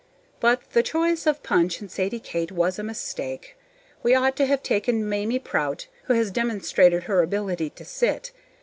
But the choice of Punch and Sadie Kate was a mistake. We ought to have taken Mamie Prout, who has demonstrated her ability to sit.